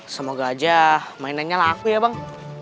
semoga aja mainannya laku ya bang